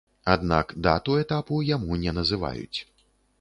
Аднак дату этапу яму не называюць.